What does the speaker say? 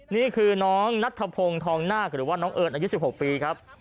นี่คือน้องนัทธพงศ์ทองนาคหรือว่าน้องเอิญอายุ๑๖ปีครับ